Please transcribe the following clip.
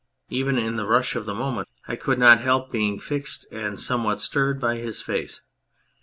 Even in the rush of the moment I could not help being fixed and somewhat stirred by his face.